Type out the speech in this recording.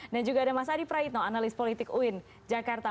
juga ada mas adi praitno analis politik uin jakarta